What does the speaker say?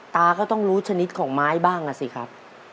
ตาก็ต้องรู้ชนิดของไม้บ้างอ่ะสิครับ